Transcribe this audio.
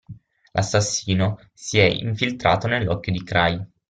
L‘assassino si è infiltrato nell‘occhio di Cray.